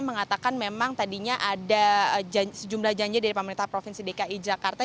mengatakan memang tadinya ada sejumlah janji dari pemerintah provinsi dki jakarta